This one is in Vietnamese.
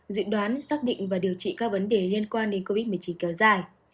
dự đoán xác định và điều trị các vấn đề liên quan đến covid một mươi chín kéo dài